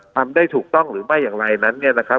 ทำได้ถูกต้องหรือไม่อย่างไรนั้นเนี่ยนะครับ